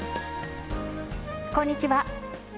こんにちは。